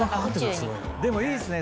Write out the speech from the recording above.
でもいいですね。